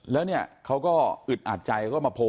เร่งะเอา๕๐๐๐ก็ได้